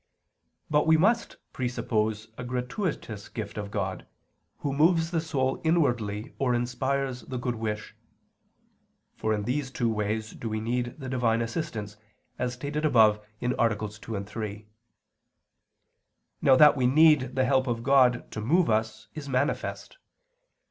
But we must presuppose a gratuitous gift of God, Who moves the soul inwardly or inspires the good wish. For in these two ways do we need the Divine assistance, as stated above (AA. 2, 3). Now that we need the help of God to move us, is manifest.